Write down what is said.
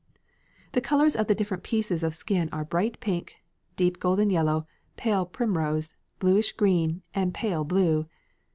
The colours of the different pieces of skin are bright pink, deep golden yellow, pale primrose, bluish green, and pale blue.